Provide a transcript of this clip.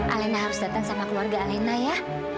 alena harus datang sama keluarga alena ya